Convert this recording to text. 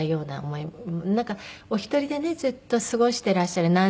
なんかお一人でねずっと過ごしていらっしゃる